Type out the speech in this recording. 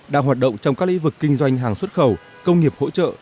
đang hoạt động trong các lĩnh vực kinh doanh hàng xuất khẩu công nghiệp hỗ trợ